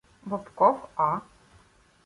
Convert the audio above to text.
Бобков А.